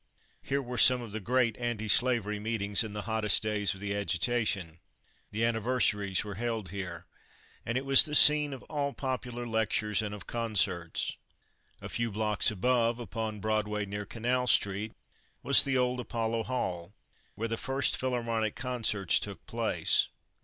Here were some of the great antislavery meetings in the hottest days of the agitation. The anniversaries were held here, and it was the scene of all popular lectures and of concerts. A few blocks above, upon Broadway, near Canal Street, was the old Apollo Hall, where the first Philharmonic concerts took place.